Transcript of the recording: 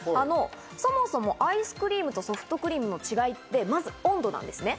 そもそもアイスクリームとソフトクリームの違いって、まず温度なんですね。